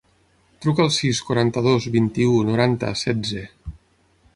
Truca al sis, quaranta-dos, vint-i-u, noranta, setze.